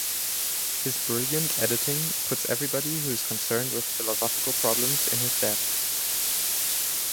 His brilliant editing puts everybody who is concerned with philosophical problems in his debt.